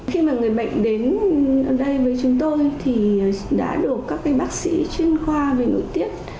khi mà người bệnh đến đây với chúng tôi thì đã được các bác sĩ chuyên khoa về nội tiết